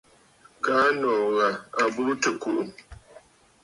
Kaa nòò ghà à burə tɨ̀ kùꞌù.